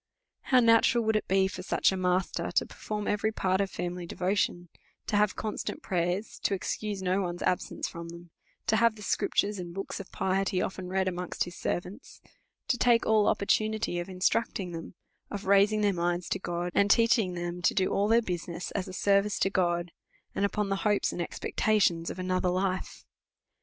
How natural would it be for such a master to perform every part of family devotion ; to have constant prayers ; to excuse no one's absence from them ; to have the Scriptures, and books of piety, often read amongst his servants; to take all opportunities of instructing them, of raising" their minds to God, and teaching them to do all their business, as a service to God, and upon the hopes and expectations of another life